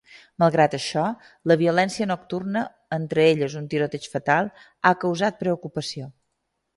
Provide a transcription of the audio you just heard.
Malgrat això, la violència nocturna, entre elles un tiroteig fatal, ha causat preocupació.